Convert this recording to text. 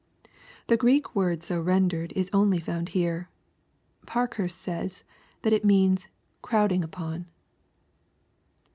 ] The Greek word so rendered is only found here. Parkhurat says that it meaaa "crowding upon."